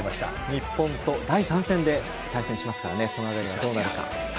日本と第３戦で対戦しますからその辺りもどうなるか。